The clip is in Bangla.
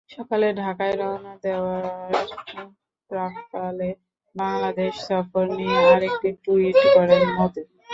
সকালে ঢাকায় রওনা দেওয়ার প্রাক্কালে বাংলাদেশ সফর নিয়ে আরেকটি টুইট করেন মোদি।